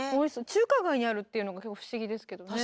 中華街にあるっていうのが不思議ですけどね。